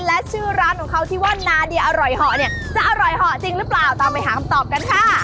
และชื่อร้านของเขาที่ว่านาเดียอร่อยเหาะเนี่ยจะอร่อยเหาะจริงหรือเปล่าตามไปหาคำตอบกันค่ะ